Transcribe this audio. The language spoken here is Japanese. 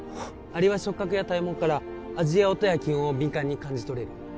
蟻は触角や体毛から味や音や気温を敏感に感じ取れる